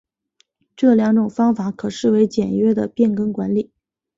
这两种方法可视为简约的变更管理。